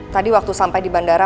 tadi waktu sampai di bandara